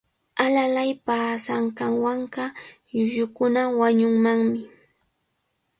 Alalay paasanqanwanqa llullukuna wañunmanmi.